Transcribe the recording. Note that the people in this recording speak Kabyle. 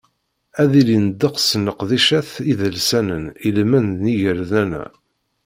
Ad d-ilin ddeqs n leqdicat idelsanen i lmend n yigerdan-a.